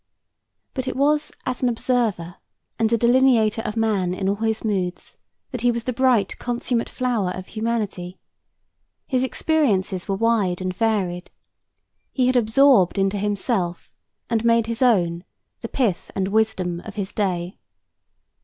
But it was as an observer and a delineator of man in all his moods that he was the bright, consummate flower of humanity. His experiences were wide and varied. He had absorbed into himself and made his own the pith and wisdom of his day.